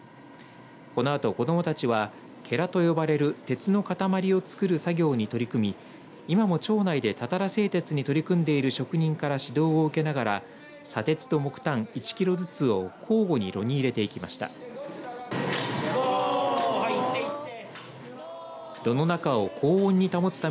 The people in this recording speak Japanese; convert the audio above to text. このあと、子どもたちはケラと呼ばれる鉄の塊を作る作業に取り組み今も町内でたたら製鉄に取り組んでいる職人から指導を受けながら砂鉄と木炭１キロずつを交互に炉に入れていきました。